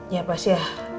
ya pasti ya